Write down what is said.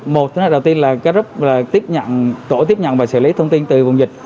một thứ đầu tiên là group tổ tiếp nhận và xử lý thông tin từ vùng dịch